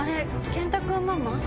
健太君ママ。